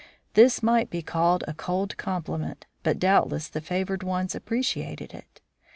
This might be called a cold compliment, but doubtless the favored ones appreciated it.